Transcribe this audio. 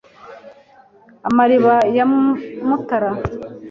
Amariba ya Mutara